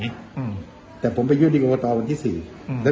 อืมแต่ผมกับเดียวกับควบตอวันที่สี่อืมแล้ว